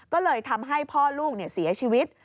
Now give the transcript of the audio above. ก็เลยทำให้พ่อลูกเสียชีวิต